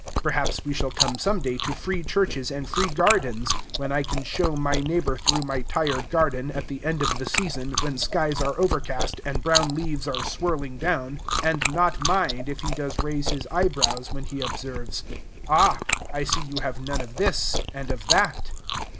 Perhaps we shall come some day to free churches and free gardens; when I can show my neighbor through my tired garden, at the end of the season, when skies are overcast, and brown leaves are swirling down, and not mind if he does raise his eyebrows when he observes, "Ah! I see you have none of this, and of that."